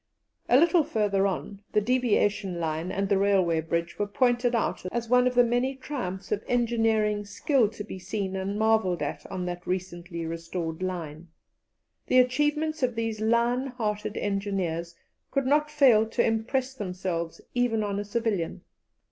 A little farther on, the deviation line and the railway bridge were pointed out as one of the many triumphs of engineering skill to be seen and marvelled at on that recently restored line. The achievements of these lion hearted engineers could not fail to impress themselves even on a civilian.